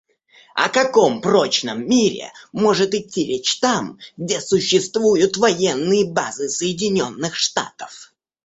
О каком прочном мире может идти речь там, где существуют военные базы Соединенных Штатов?